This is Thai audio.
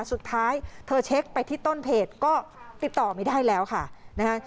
สุดท้ายเธอเช็คไปที่ต้นเพจก็ติดต่อไม่ได้แล้วค่ะนะฮะ